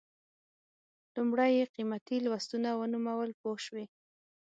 لومړی یې قیمتي لوستونه ونومول پوه شوې!.